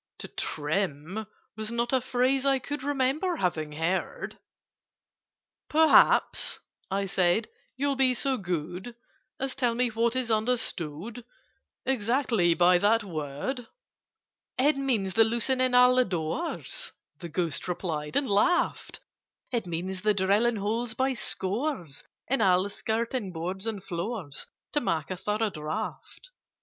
"To trim" was not a phrase I could Remember having heard: "Perhaps," I said, "you'll be so good As tell me what is understood Exactly by that word?" [Picture: The wainscotings begin to go] "It means the loosening all the doors," The Ghost replied, and laughed: "It means the drilling holes by scores In all the skirting boards and floors, To make a thorough draught.